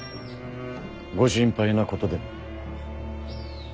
ご心配なことでも？